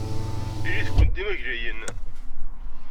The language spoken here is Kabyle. Ilit-ken d imaglayen.